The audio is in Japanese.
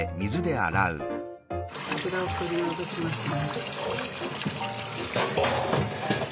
脂を取り除きますね。